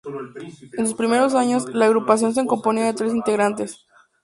En sus primeros años, la agrupación se componía de tres integrantes.